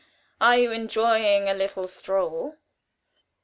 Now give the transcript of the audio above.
Are you enjoying a little stroll?"